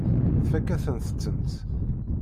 Tfakk-akent-tent.